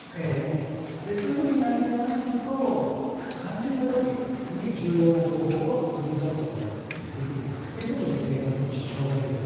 そういうふうになりますと肝心な時に重要な情報を取り出すことができないということで生活に支障が出る。